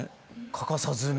欠かさずに。